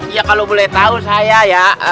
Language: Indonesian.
ya kalau boleh tahu saya ya